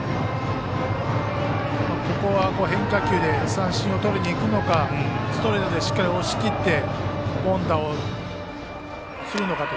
変化球で三振をとりにいくのかストレートでしっかり押し切って凡打をするのかと。